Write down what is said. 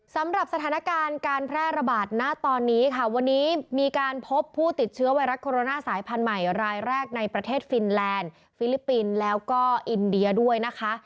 สำหรับสถานการณ์การแพร่ระบาดณตอนนี้ค่ะวันนี้มีการพบผู้ติดเชื้อไวรัสโคโรนาสายพันธุ์ใหม่รายแรกในประเทศฟินแลนด์ฟิลิปปินส์แล้วก็อินเดียด้วยนะคะ